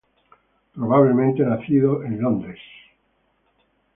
Probablemente nació en Londres.